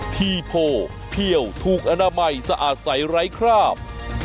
ทีโพเพี่ยวถูกอนามัยสะอาดใสไร้คราบ